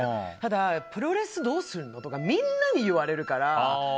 ただ、プロレスどうするの？とかみんなに言われるから。